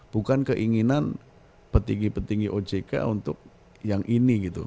bukan keinginan petinggi petinggi ojk untuk yang ini gitu